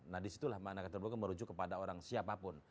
nah disitulah makna kata terbuka merujuk kepada orang siapapun